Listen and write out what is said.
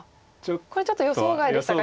これちょっと予想外でしたか